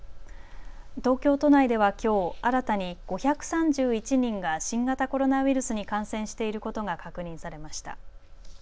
東京都内ではきょう新たに５３１人が新型コロナウイルスに感染していることが確認されました。